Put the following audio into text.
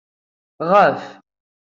Ɣef.